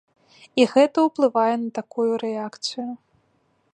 І гэта уплывае на такую рэакцыю.